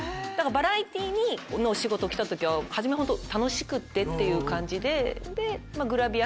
バラエティーのお仕事きた時は初め本当楽しくってって感じで。